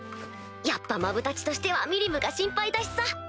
やっぱマブダチとしてはミリムが心配だしさ！